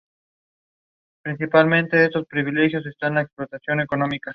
Me voy al tigre que me cago por la pata abajo